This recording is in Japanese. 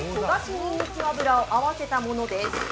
にんにく油を合わせたものです。